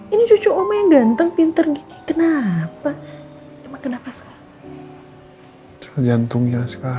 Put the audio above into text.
ini cucu omah yang ganteng pinter gini